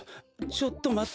ちょっとまって。